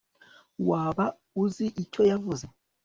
waba uzi icyo yavuze